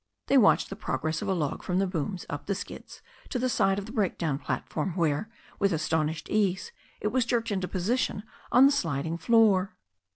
They watched the progress of a log from the booms up the skids to the side of the breakdown platform, where, with as tonishing ease, it was jerked into position on the sliding Hoot.